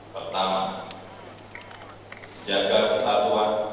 pertama jaga persatuan